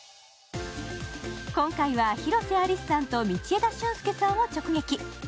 今回は、広瀬アリスさんと道枝駿佑さんを直撃。